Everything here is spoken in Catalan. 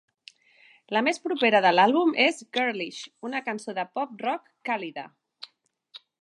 La més propera de l'àlbum és "Girlish", una cançó de pop rock "càlida".